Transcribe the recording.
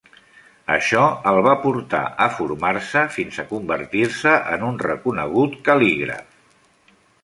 Això el va portar a formar-se fins a convertir-se en un reconegut cal.ligraf.